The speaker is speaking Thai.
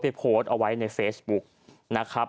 โพสต์เอาไว้ในเฟซบุ๊กนะครับ